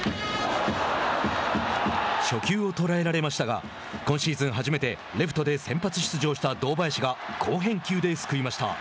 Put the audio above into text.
初球を捉えられましたが今シーズン初めてレフトで先発出場した堂林が好返球で救いました。